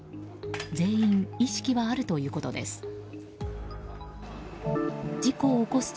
全員、意識はあるということです。